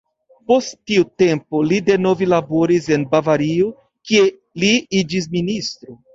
Post tiu tempo, li denove laboris en Bavario, kie li iĝis ministro.